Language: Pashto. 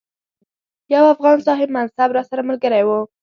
یو افغان صاحب منصب راسره ملګری وو.